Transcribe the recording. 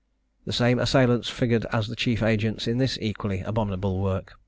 The same assistants figured as the chief agents in this equally abominable work.